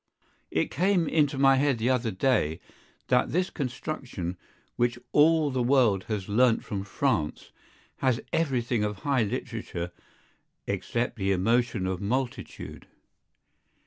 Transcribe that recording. It came into my head the other day that this construction, which all the world has learnt from France, has everything of high literature except the emotion of multitude.